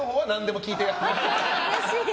うれしい！